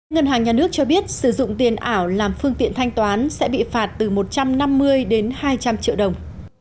ngân hàng nhà nước cho biết sử dụng tiền ảo làm phương tiện thanh toán sẽ bị phạt từ một trăm năm mươi đến hai trăm linh triệu đồng